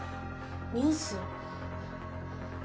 ニュース？